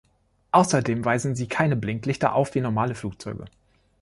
Außerdem weisen sie keine Blinklichter auf wie normale Flugzeuge.